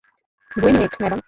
দুই minute, madam.